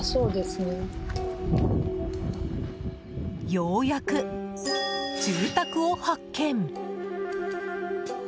ようやく住宅を発見！